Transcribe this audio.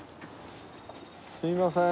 すいません。